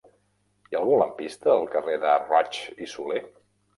Hi ha algun lampista al carrer de Roig i Solé?